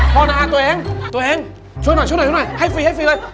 พ่อน้าตัวเองตัวเองช่วยหน่อยช่วยหน่อยให้ฟรีให้ฟรีเลย